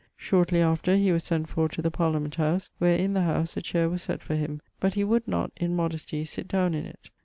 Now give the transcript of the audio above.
Shortly after he was sent for to the Parliament house; where, in the howse, a chaire was sett for him, but he would not (in modestie) sitt downe in it.